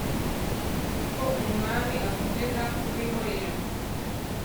ko umwami akomeza kubihorera